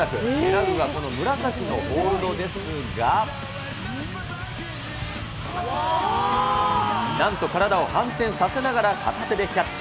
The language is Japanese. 狙うのはこの紫のホールドですが、なんと体を反転させながら片手でキャッチ。